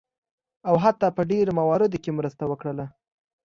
او حتی په ډیرو مواردو کې مرسته وکړله.